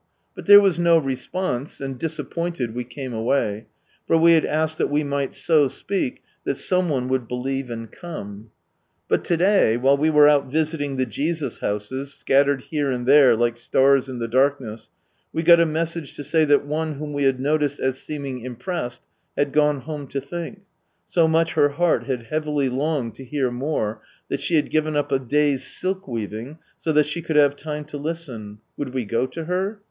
But there was no response, and disappointed, we came away ; for we had asked that we might " so speak " that some one would believe, and come. But to day, while we were out visiting the "Jesus houses," scattered here and there like stars in the darkness, we got a message to say that one whom we had noticed as seeming impressed, had gone home to think ; so much " her heart had heavily longed" to hear more, that she had given up a day's silk weaving, so that she could have time to listen ; would we go to her